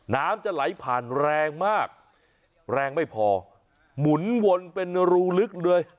น้ำจะไหลผ่านแรงมากแรงไม่พอหมุนวนเป็นรูลึกเลย